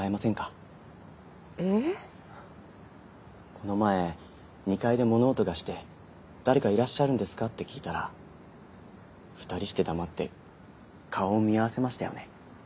この前２階で物音がして誰かいらっしゃるんですかって聞いたら２人して黙って顔を見合わせましたよね？